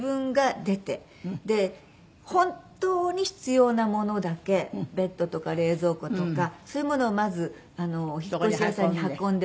で本当に必要なものだけベッドとか冷蔵庫とかそういうものをまず引っ越し屋さんに運んでもらって。